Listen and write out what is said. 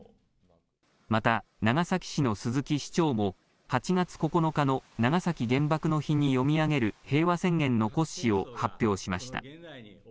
また、長崎市の鈴木市長も８月９日の長崎原爆の日に読み上げる平和宣言の骨子を発表しました。